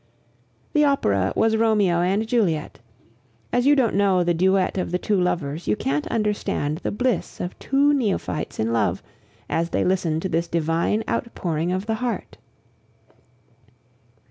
The opera was Romeo and Juliet. As you don't know the duet of the two lovers, you can't understand the bliss of two neophytes in love, as they listen to this divine outpouring of the heart.